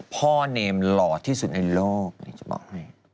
พ่อเนมหล่อที่สุดในโลกจะบอกให้